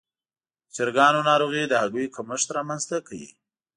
د چرګانو ناروغي د هګیو کمښت رامنځته کوي.